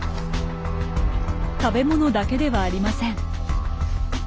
食べ物だけではありません。